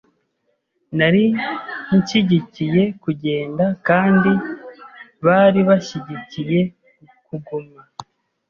Nari nshyigikiye kugenda kandi bari bashyigikiye kuguma.